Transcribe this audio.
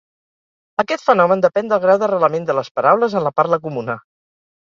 Aquest fenomen depèn del grau d'arrelament de les paraules en la parla comuna.